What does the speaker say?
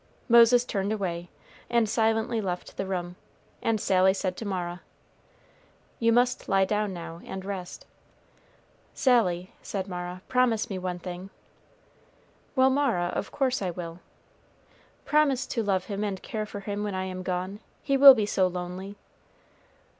Moses turned away, and silently left the room, and Sally said to Mara, "You must lie down now, and rest." "Sally," said Mara, "promise me one thing." "Well, Mara; of course I will." "Promise to love him and care for him when I am gone; he will be so lonely."